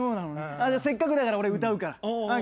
せっかくだから俺歌うから。